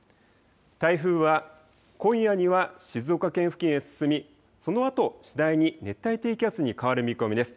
台風は今夜には静岡県付近へ進みそのあと次第に熱帯低気圧に変わる見込みです。